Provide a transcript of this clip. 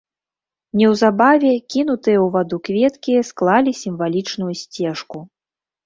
Неўзабаве кінутыя ў ваду кветкі склалі сімвалічную сцежку.